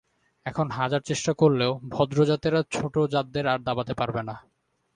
এখন হাজার চেষ্টা করলেও ভদ্র জাতেরা ছোট জাতদের আর দাবাতে পারবে না।